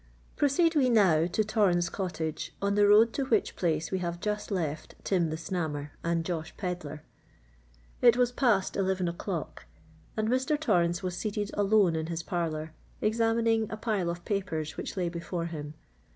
Proceed we now to Torrens Cottage, on the road to which place we have just left Tim the Snammer and Josh Pedler. It was past eleven o'clock, and Mr. Torrens was seated alone in his parlour, examining a pile of papers which lay before him.